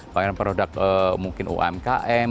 pameran produk mungkin umkm